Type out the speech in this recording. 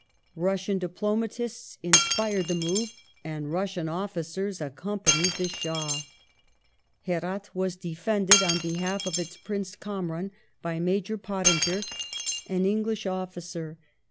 Russian diplomatists inspired the move, and Russian officers accompanied the Shah. Herat was defended, on behalf of its Prince Kamran, by Major Pottinger, an English officer.